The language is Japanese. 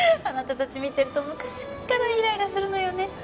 あなたたち見てると昔からイライラするのよね。